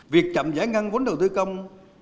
việc chậm giải ngân vốn đầu tư công